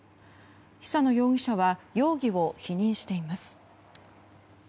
久野容疑者は容疑を否認しています。